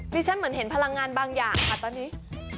ฉันเหมือนเห็นพลังงานบางอย่างค่ะตอนนี้